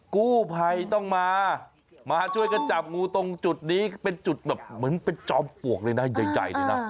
กู้ภัยต้องมามาช่วยกันจับงูตรงจุดนี้เป็นจุดแบบเหมือนเป็นจอมปลวกเลยนะใหญ่เลยนะ